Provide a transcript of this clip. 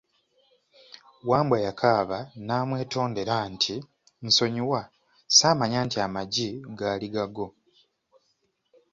Wambwa yakaaba n'amwetondera nti, nsonyiwa, saamanya nti amaggi gaali gago!